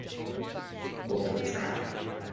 Open the trap.